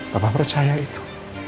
bapak percaya itu